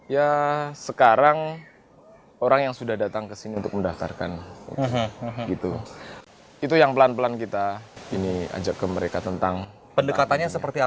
ya sekarang orang yang sudah datang ke sini untuk mendaftarkan itu itu yang pelan pelan kita ini ajak ke mereka tentang ini membuatnya kembali ke rumah ke sini untuk mendaftarkan itu itu yang pelan pelan kita ini ajak ke mereka tentang itu itu yang pelan pelan kita ini ajak ke mereka tentang